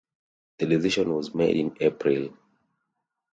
The decision was made in April.